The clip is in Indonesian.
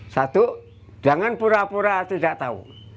satu jangan pura pura tidak tahu